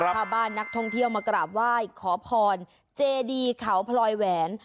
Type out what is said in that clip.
ชาวบ้านนักท่องเที่ยวมากราบไหว้ขอพรเจดีเขาพลอยแหวน